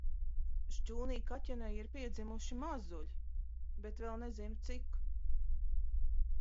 Šķūnī kaķenei ir piedzimuši mazuļi, bet vēl nezinu, cik.